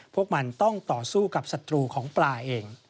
พวกมันต้องต่อสู้กับศัตรูของปลาเอง